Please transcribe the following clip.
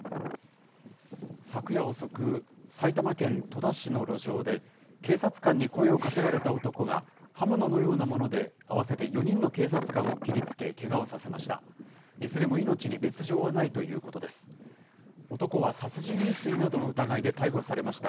昨夜遅く、埼玉県戸田市の路上で、警察官に声をかけられた男が、刃物のようなもので合わせて４人の警察官を切りつけ、けがをさせました。